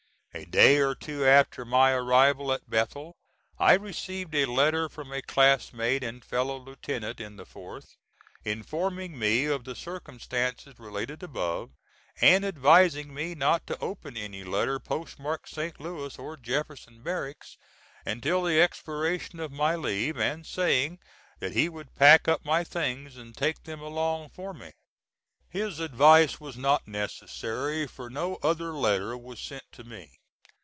A day or two after my arrival at Bethel I received a letter from a classmate and fellow lieutenant in the 4th, informing me of the circumstances related above, and advising me not to open any letter post marked St. Louis or Jefferson Barracks, until the expiration of my leave, and saying that he would pack up my things and take them along for me. His advice was not necessary, for no other letter was sent to me.